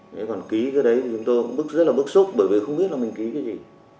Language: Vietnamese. thế còn ký cái đấy thì chúng tôi cũng bức rất là bức xúc bởi vì không biết là mình ký cái gì